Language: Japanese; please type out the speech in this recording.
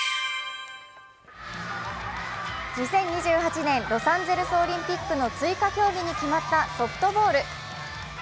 ２０２８年、ロサンゼルスオリンピックの追加競技に決まったソフトボール。